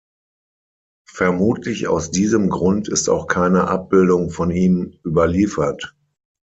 Vermutlich aus diesem Grund ist auch keine Abbildung von ihm überliefert.